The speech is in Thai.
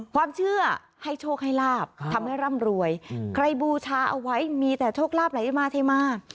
ความเชื่อให้โชคให้ลาบทำให้ร่ำรวยใครบูชาเอาไว้มีแต่โชคลาภไหลมาเทมา